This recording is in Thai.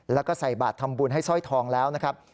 แล้วก็ใส่บาททำบุญให้สร้อยทองแล้วนะครับ